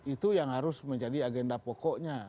itu yang harus menjadi agenda pokoknya